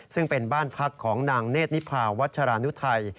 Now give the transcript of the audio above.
ซึ่งเป็นบ้านพักของนางเนธนิพาวัชรานุทัย